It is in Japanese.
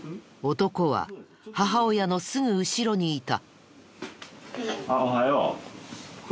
男は母親のすぐ後ろにいた。